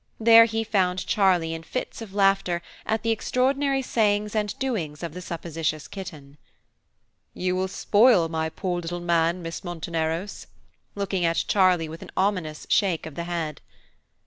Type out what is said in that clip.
There he found Charlie in fits of laughter at the extraordinary sayings and doings of the supposititious kitten. "You will spoil my poor little man, Miss Monteneros," looking at Charlie with an ominous shake of the head.